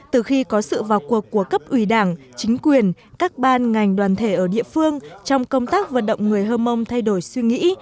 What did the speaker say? từ khi có sự vào cuộc của cấp ủy đảng chính quyền các ban ngành đoàn thể ở địa phương trong công tác vận động người hơ mông thay đổi suy nghĩ